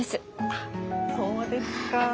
あっそうですか。